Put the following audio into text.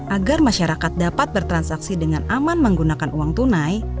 agar masyarakat dapat bertransaksi dengan aman menggunakan uang tunai